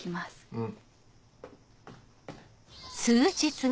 うん。